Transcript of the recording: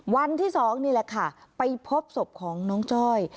วันที่๒นี่แหละค่ะไปพบศพของน้องจ้อย